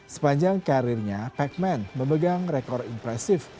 sepanjang karirnya pac man memegang rekor impresif